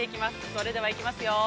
それではいきますよ。